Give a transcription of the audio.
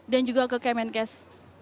dan juga ke kemenkes